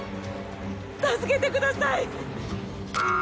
助けてください！